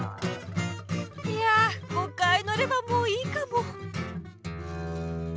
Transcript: いや５回のればもういいかも。